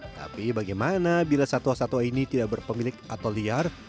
tapi bagaimana bila satwa satwa ini tidak berpemilik atau liar